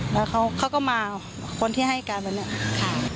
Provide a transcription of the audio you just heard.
แล้วเขาก็มาคนที่ให้การแบบนี้ค่ะ